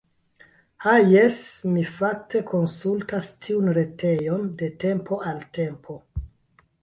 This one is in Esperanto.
Ha jes, mi fakte konsultas tiun retejon de tempo al tempo.